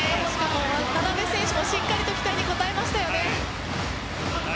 渡邊選手も、しっかりと期待に応えましたね。